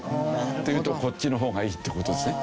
っていうとこっちの方がいいって事ですね。